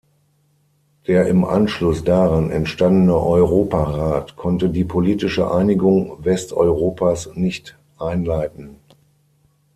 Der im Anschluss daran entstandene Europarat konnte die politische Einigung Westeuropas nicht einleiten.